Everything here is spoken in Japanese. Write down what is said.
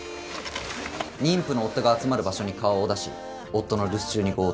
妊婦の夫が集まる場所に顔を出し夫の留守中に強盗を行う。